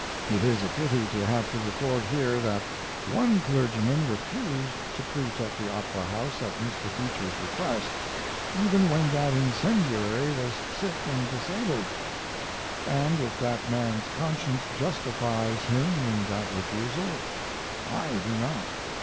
It is a pity to have to record here that one clergyman refused to preach at the Opera House at Mr. Beecher's request, even when that incendiary was sick and disabled; and if that man's conscience justifies him in that refusal I do not.